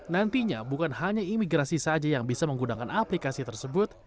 nantinya bukan hanya imigrasi saja yang bisa menggunakan aplikasi tersebut